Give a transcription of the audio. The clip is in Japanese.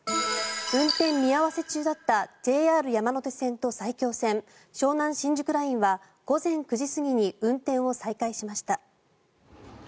運転見合わせ中だったＪＲ山手線と埼京線湘南新宿ラインは午前９時過ぎに運転を再開しました。